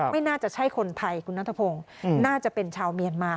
ไม่น่าจะใช่คนไทยคุณนัทพงศ์น่าจะเป็นชาวเมียนมา